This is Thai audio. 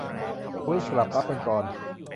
ทวิตกลับรับเป็นกลอน